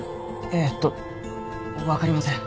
えっとわかりません。